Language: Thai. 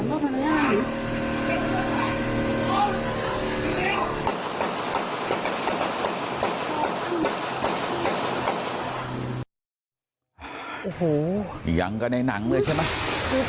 โอ้โหยังกันในหนังเลยใช่ไหม